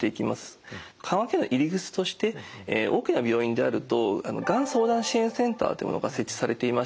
緩和ケアの入り口として大きな病院であるとがん相談支援センターというものが設置されていまして